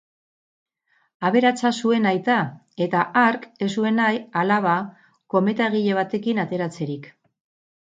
Aberatsa zuen aita eta hark ez zuen nahi alaba kometa egile batekin ateratzerik.